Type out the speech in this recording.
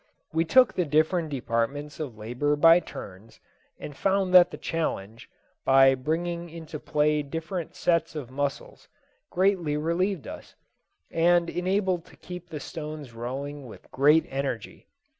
We took the different departments of labour by turns, and found that the change, by bringing into play different sets of muscles, greatly relieved us, and enabled us to keep the stones rolling with great energy.